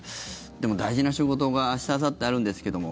でも、大事な仕事が明日あさってあるんですけども。